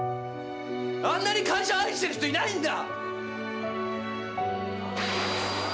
あんなに会社愛してる人いないんだ！